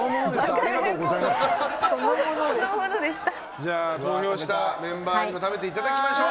じゃあ投票したメンバーにも食べていただきましょう。